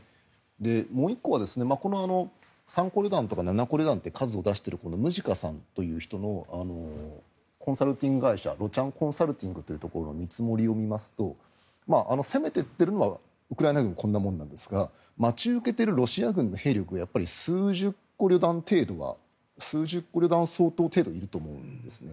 もう１個は、３個旅団とか７個旅団という数を出しているこのムジカさんという人のコンサルティング会社ロチャンコンサルティングというところの見積もりを見ますと攻めていってるのはウクライナ軍こんなものなんですが待ち受けているロシア軍の兵力が数十個旅団相当程度いると思うんですね。